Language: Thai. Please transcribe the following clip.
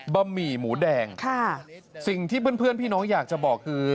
บะหมี่หมูแดงค่ะสิ่งที่เพื่อนพี่น้องอยากจะบอกคือ